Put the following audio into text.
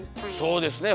そうですね